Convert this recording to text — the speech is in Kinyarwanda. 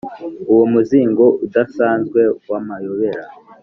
uwo muzingo udasanzwe w'amayobera,